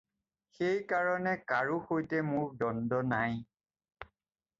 সেই কাৰণে কাৰো সৈতে মোৰ দন্দ নাই।